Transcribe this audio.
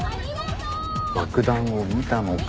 爆弾を見たのか？